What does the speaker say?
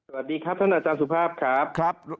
สวัสดีครับท่านอาจารย์สุภาพครับ